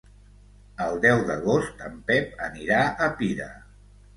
El deu d'agost en Pep anirà a Pira.